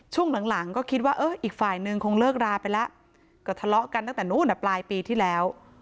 ช่วงหลังก็คิดว่าเอออีกฝ่ายนึงคงเลิกราไปแล้วก็ทะเลาะกันตั้งแต่นู้นปลายปีที่แล้ว